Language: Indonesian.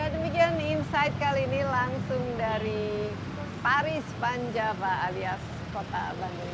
demikian insight kali ini langsung dari paris panjava alias kota bandung